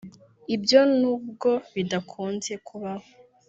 Ibyo n’ubwo bidakunze kubaho